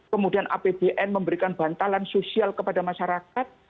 kemudian apbn memberikan bantalan sosial kepada masyarakat